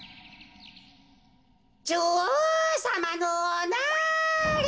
・じょおうさまのおなりアリ。